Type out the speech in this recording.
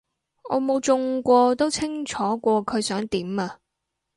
我冇中過都清楚過佢想點啊